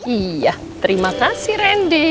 iya terima kasih rendy